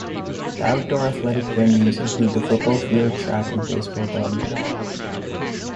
The outdoor athletic venues include the football field, track, and baseball diamond.